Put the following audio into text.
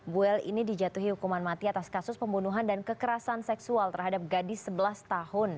buel ini dijatuhi hukuman mati atas kasus pembunuhan dan kekerasan seksual terhadap gadis sebelas tahun